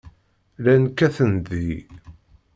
Llan kkaten-d deg-i.